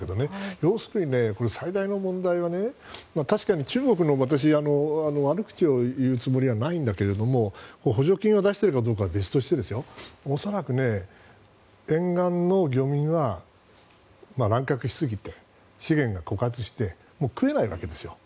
要するに最大の問題は中国を悪く言うつもりはないけど補助金を出しているかどうかは別として恐らく沿岸の漁民は乱獲しすぎて資源が枯渇して食えないわけですよ。